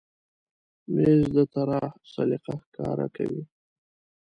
مېز د طراح سلیقه ښکاره کوي.